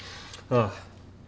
ああ。